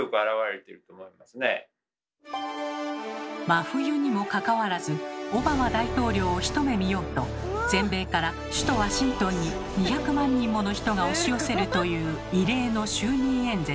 真冬にもかかわらずオバマ大統領を一目見ようと全米から首都ワシントンに２００万人もの人が押し寄せるという異例の就任演説。